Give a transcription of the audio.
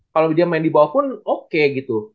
kalo dia main dibawah pun oke gitu